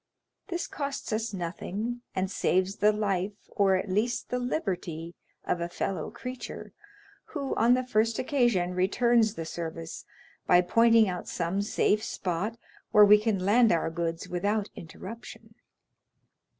This costs us nothing, and saves the life, or at least the liberty, of a fellow creature, who on the first occasion returns the service by pointing out some safe spot where we can land our goods without interruption."